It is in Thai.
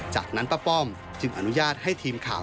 จากนั้นป้าป้อมจึงอนุญาตให้ทีมข่าว